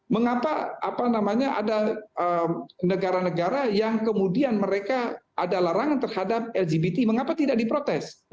mengapa ada negara negara yang kemudian mereka ada larangan terhadap lgbt mengapa tidak diprotes